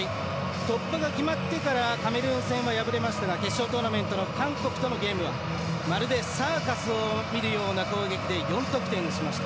突破が決まってからカメルーン戦は敗れましたが決勝トーナメントの韓国とのゲームはまるでサーカスを見るような攻撃で４得点しました。